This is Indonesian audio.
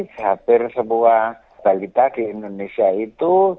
hampir sebuah balita di indonesia itu